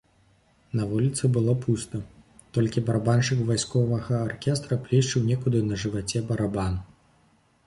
На вуліцы было пуста, толькі барабаншчык вайсковага аркестра плішчыў некуды на жываце барабан.